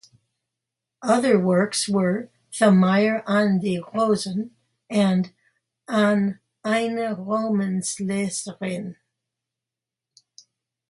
Other works were "Thamire an die Rosen" and "An eine Romansleserin".